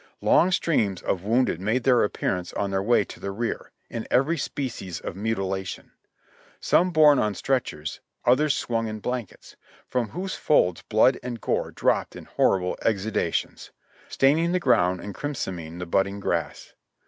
Long streams of wounded made their appearance on their way to the rear, in every species of mutilation ; some borne on stretchers, others swung in blankets, from whose folds blood and gore dropped in horrible exudations, staining the ground and crimsoning the budding grass.